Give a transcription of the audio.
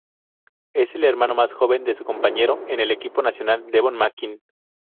Es el hermano más joven de su compañero en el equipo nacional, Devon Makin.